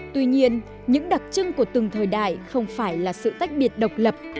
tuy nhiên những đặc trưng của từng thời đại không phải là sự tách biệt độc lập